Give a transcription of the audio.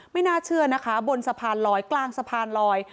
ไม่น่าเชื่อนะคะบนสะพานลอยกลางสะพานลอย